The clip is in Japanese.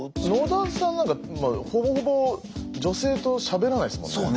野田さんなんかほぼほぼ女性としゃべらないですもんね。